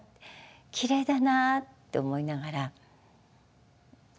きれいだな」って思いながら憧れました。